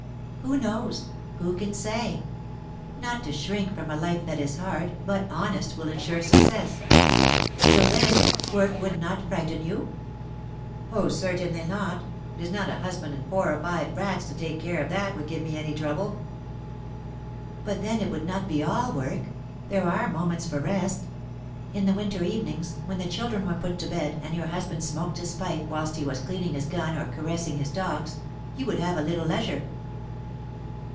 "Who knows? Who can say? Not to shrink from a life that is hard, but honest, will ensure success. So, then, work would not frighten you?" "Oh, certainly not! It is not a husband and four or five brats to take care of that would give me any trouble!" "But then it would not be all work; there are moments for rest. In the winter evenings, when the children were put to bed, and your husband smoked his pipe whilst he was cleaning his gun or caressing his dogs, you would have a little leisure."